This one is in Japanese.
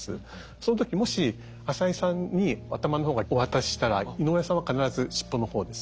その時もし浅井さんに頭の方をお渡ししたら井上さんは必ず尻尾の方です。